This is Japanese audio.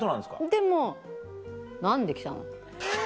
でもう「何で来たの？」。